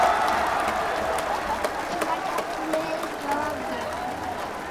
চশমটা খুলে জবাব দে।